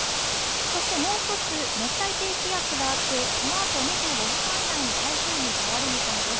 そしてもう１つ熱帯低気圧があってこのあと２４時間以内に台風に変わる見込みです。